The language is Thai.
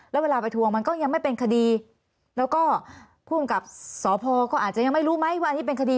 แล้วเวลาไปทวงมันก็ยังไม่เป็นคดีแล้วก็ภูมิกับสพก็อาจจะยังไม่รู้ไหมว่าอันนี้เป็นคดี